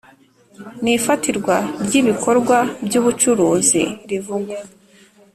n ifatirwa ry ibikorwa by ubucuruzi rivugwa